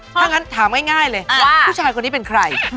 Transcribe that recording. ถ้างั้นถามง่ายเลยว่าผู้ชายคนนี้เป็นใคร